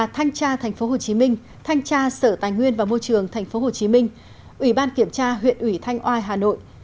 thành tra sở tài nguyên và môi trường tp hcm ủy ban kiểm tra huyện ủy thanh oai hà nội